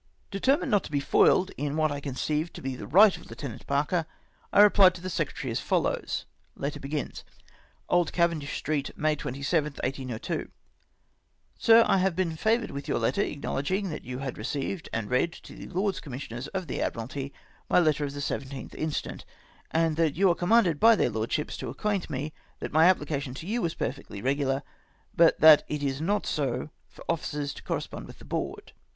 Determined not to be foiled in what I conceived to be the right of Lieutenant Parker, I replied to the Secretary as follows :—" Old Cavendish street, May 27th, 1802. " Sir, — I have been favoured with your letter acknow ledging that you had received and read to the Lords Com missioners of the Admiralty my letter of the 17th inst., and that you are commanded by their Lordships to acquaint me that my application to you was perfectly regular, but that it is not so for officers to correspond with the Board.